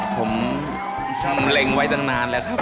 ผมช่างเล็งไว้ตั้งนานแล้วครับ